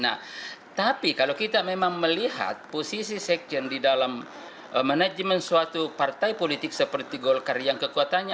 nah tapi kalau kita memang melihat posisi sekjen di dalam manajemen suatu partai politik seperti golkar yang kekuatannya